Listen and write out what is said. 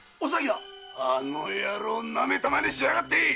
あの野郎なめた真似しやがって！